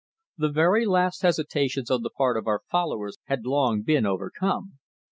The very last hesitations on the part of our followers had long been overcome.